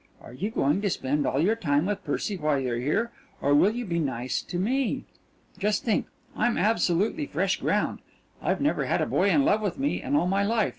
"Are you going to spend all your time with Percy while you're here, or will you be nice to me? Just think I'm absolutely fresh ground. I've never had a boy in love with me in all my life.